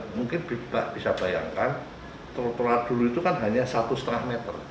mungkin mbak bisa bayangkan trotoar dulu itu kan hanya satu lima meter